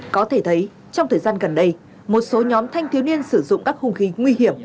có thể thấy trong thời gian gần đây một số nhóm thanh thiếu niên sử dụng các hung khí nguy hiểm